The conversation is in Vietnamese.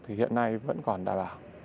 thì hiện nay vẫn còn đảm bảo